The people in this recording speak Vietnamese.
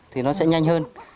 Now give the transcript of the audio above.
thì nó sẽ nhanh hơn